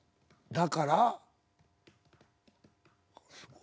「だから」